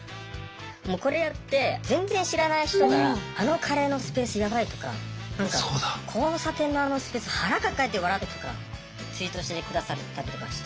もうこれやって全然知らない人から「あのカレーのスペースやばい！」とか何か「交差点のあのスペース腹抱えて笑った」とかツイートして下さったりとかして。